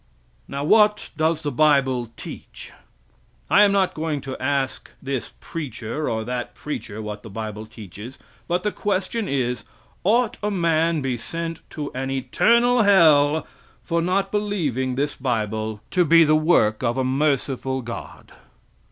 Now, what does the bible teach? I am not going to ask this preacher or that preacher what the bible teaches; but the question is, "Ought a man be sent to an eternal hell for not believing this bible to be the work of a merciful God?"